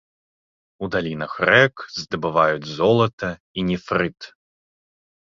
У далінах рэк здабываюць золата і нефрыт.